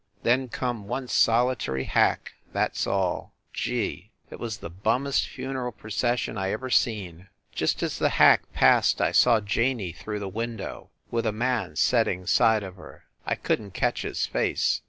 Then come one solitary hack that s all. Gee ! It was the bummest funeral procession I ever seen. Just as the hack passed I saw Janey through the window, with a man setting side of her; I couldn t catch his face.